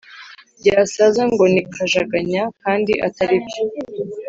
ryasaza ngo ni “kajaganya kandi atari byo”